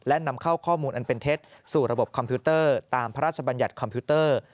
และนำเข้าข้อมูลอันเป็นเท็จสู่ระบบคอมพิวเตอร์ตามพระราชบัญญัติคอมพิวเตอร์